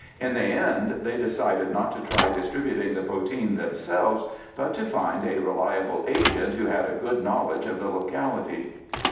In the end they decided not to try distributing the poteen themselves, but to find a reliable agent who had a good knowledge of the locality.